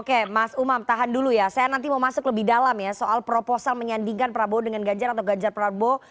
oke mas umam tahan dulu ya saya nanti mau masuk lebih dalam ya soal proposal menyandingkan prabowo dengan ganjar atau ganjar prabowo